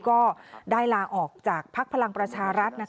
ก็ได้ลาออกจากภักดิ์พลังประชารัฐ